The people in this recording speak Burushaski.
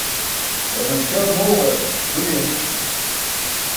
Banafśa mooġar, ruli amući.